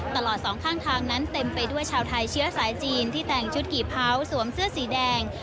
ตลอดสองข้างทางนั้นเต็มไปด้วยชาวไทยเชื้อสายจีนที่แต่งชุดกี่เผาสวมเสื้อสีแดง